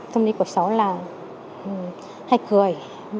thông lý của cháu là hãy cười